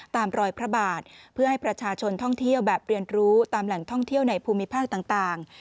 ตามรอยพระบาทเพื่อให้ประชาชนท่องเที่ยวแบบเรียนรู้ตามแหล่งท่องเที่ยวในภูมิภาคต่าง